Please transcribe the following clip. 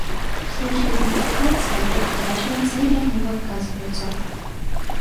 В случае идентификации объект утрачивается или от него отказываются.